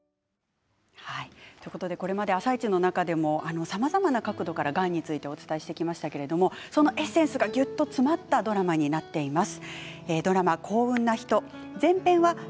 これまで「あさイチ」でもさまざまな角度からがんについてお伝えしてきましたけれどもそのエッセンスがぎゅっと詰まったドラマになっています。